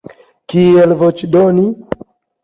Kiel voĉdoni?